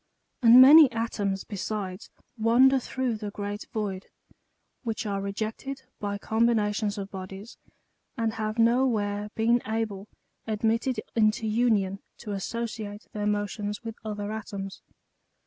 And many atoms besides wander through the great void, which are rejected by combinations of bodies, and have no where been able, admitted into union, to associate their motions with other atoms.